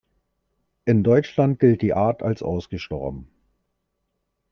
In Deutschland gilt die Art als ausgestorben.